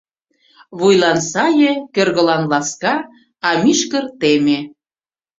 Вуйлан — сае, кӧргылан — ласка, а мӱшкыр — теме.